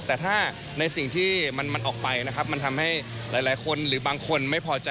แต่ถ้าในสิ่งที่มันออกไปนะครับมันทำให้หลายคนหรือบางคนไม่พอใจ